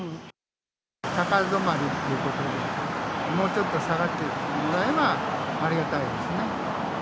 高止まりということで、もうちょっと下がってもらえればありがたいですね。